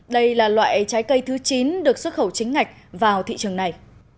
đây là loại trái cây thứ chín được xuất khẩu chính ngạch vào thị trường này